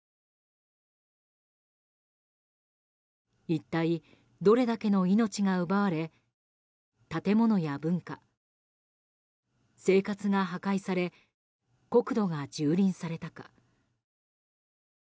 一体どれだけの命が奪われ建物や文化、生活が破壊され国土が蹂躙されたか。